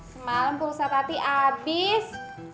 semalam pulsa tati abis